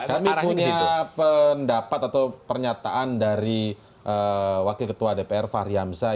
kami punya pendapat atau pernyataan dari wakil ketua dpr fahri hamzah